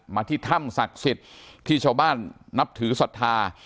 ที่ถ้ำศักดิ์สิทธิ์ที่ชาวบ้านนับถือศรัทธา